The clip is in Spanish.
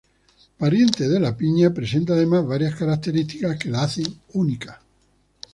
Pariente de la piña, presenta además varias características que la hacen única.